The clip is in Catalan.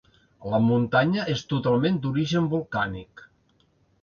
La muntanya és totalment d'origen volcànic.